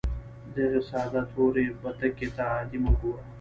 دغې ساده تورې بتکې ته عادي مه ګوره